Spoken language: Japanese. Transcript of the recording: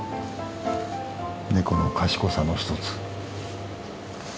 ネコの賢さの一つ。